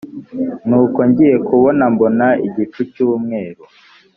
nuko ngiye kubona mbona igicu cy umweru